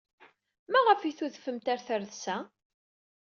Maɣef ay tudfemt ɣer tredsa?